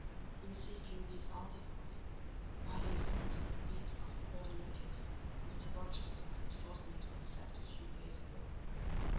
In seeking these articles, I encountered the beads of a pearl necklace Mr. Rochester had forced me to accept a few days ago.